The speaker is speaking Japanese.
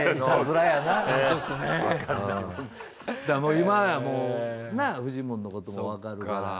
今はもうフジモンのこともわかるから。